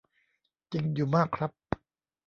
จริงอยู่มากครับ.